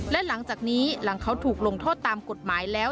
และหลังจากนี้หลังเขาถูกลงโทษตามกฎหมายแล้ว